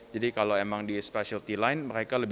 jadi kalau emang di specialty line